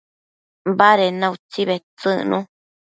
baded na utsi bedtsëcnu